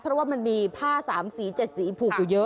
เพราะว่ามันมีผ้า๓สี๗สีผูกอยู่เยอะ